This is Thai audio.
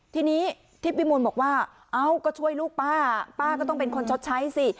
ทีนี้ทิพย์วิมูลบอกว่าเอ้าก็ช่วยลูกป้าป้าก็ต้องเป็นคนชดใช้สิ